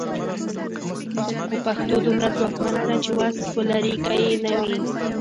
خو پښتو دومره ځواکمنه ده چې وس ولري که یې نه وي.